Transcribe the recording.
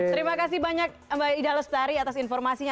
terima kasih banyak mbak ida lestari atas informasinya